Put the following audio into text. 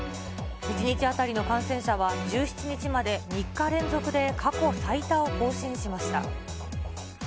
１日当たりの感染者は１７日まで３日連続で過去最多を更新しました。